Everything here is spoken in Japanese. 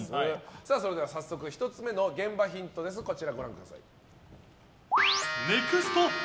それでは早速１つ目の現場ヒントご覧ください。